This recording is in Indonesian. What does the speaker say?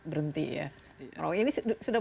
berhenti ya ini sudah